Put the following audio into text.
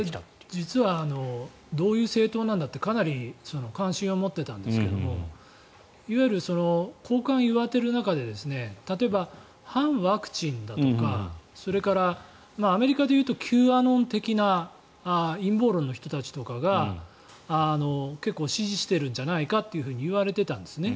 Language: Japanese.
実はどういう政党なんだってかなり関心を持っていたんですがいわゆる巷間言われている中で例えば、反ワクチンだとかそれからアメリカでいうとＱアノン的な陰謀論の人たちとかが結構支持しているんじゃないかといわれていたんですね。